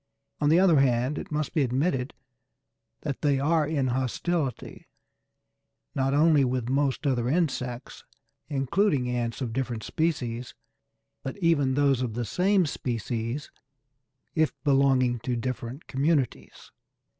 On the other hand, it must be admitted that they are in hostility, not only with most other insects, including ants of different species, but even with those of the same species if belonging to different communities.